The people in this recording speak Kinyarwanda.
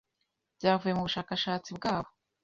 byavuye mu bushakashatsi bwabo